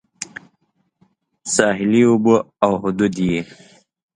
ساحلي اوبه او حدود یې